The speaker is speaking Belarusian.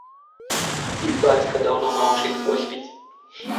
І бацька даўно маўчыць, бо спіць.